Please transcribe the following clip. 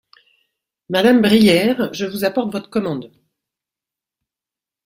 Madame Brière, je vous apporte votre commande.